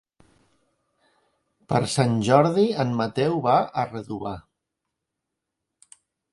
Per Sant Jordi en Mateu va a Redovà.